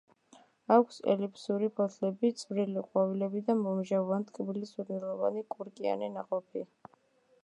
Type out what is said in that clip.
აქვს ელიფსური ფოთლები, წვრილი ყვავილები და მომჟავო ან ტკბილი სურნელოვანი კურკიანა ნაყოფი.